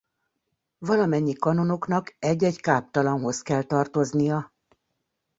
Valamennyi kanonoknak egy-egy káptalanhoz kell tartoznia.